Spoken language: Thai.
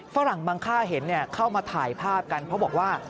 ฝรั่งบางค่าเห็นเข้ามาถ่ายภาพกันเพราะบอกว่า